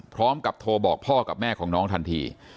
พร้อมกับโทรบอกพ่อกับแม่ของน้องทันที